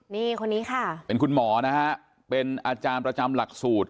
นี่คนนี้ค่ะเป็นคุณหมอนะฮะเป็นอาจารย์ประจำหลักสูตร